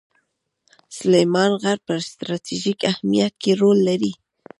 سلیمان غر په ستراتیژیک اهمیت کې رول لري.